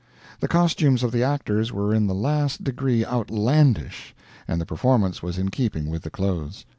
The costumes of the actors were in the last degree outlandish, and the performance was in keeping with the clothes.